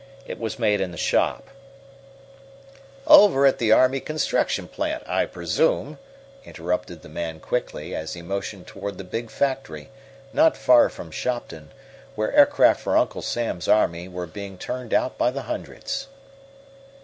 It was made in the shop " "Over at the army construction plant, I presume," interrupted the man quickly, as he motioned toward the big factory, not far from Shopton, where aircraft for Uncle Sam's Army were being turned out by the hundreds.